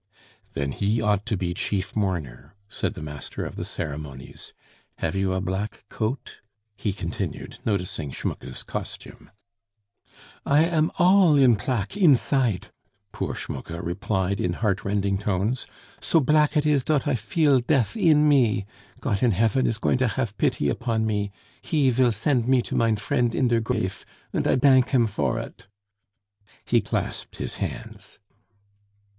"Then he ought to be chief mourner," said the master of the ceremonies. "Have you a black coat?" he continued, noticing Schmucke's costume. "I am all in plack insite!" poor Schmucke replied in heartrending tones; "so plack it is dot I feel death in me.... Gott in hefn is going to haf pity upon me; He vill send me to mein friend in der grafe, und I dank Him for it " He clasped his hands.